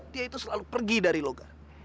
dia itu selalu pergi dari lo gar